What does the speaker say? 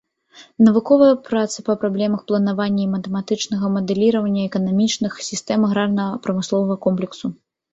Навуковыя працы па праблемах планавання і матэматычнага мадэліравання эканамічных сістэм аграрна-прамысловага комплексу.